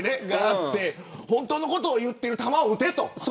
本当のことを言っている弾を撃てと。